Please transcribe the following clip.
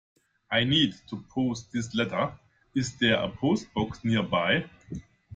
I need to post this letter. Is there a postbox nearby?